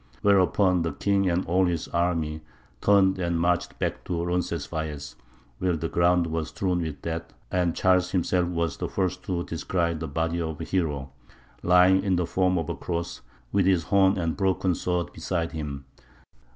Whereupon the king and all his army turned and marched back to Roncesvalles, where the ground was strewn with dead, and Charles himself was the first to descry the body of the hero, lying in the form of a cross, with his horn and broken sword beside him.